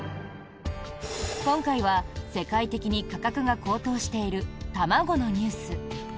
今回は世界的に価格が高騰している卵のニュース。